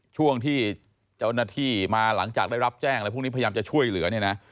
ช่วงที่เจ้าหน้าที่มาหลังจากได้รับแจ้งอะไรพวกนี้พยายามจะช่วยเหลือเนี่ยนะ